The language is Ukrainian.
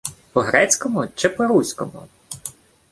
— По-грецькому чи по-руському?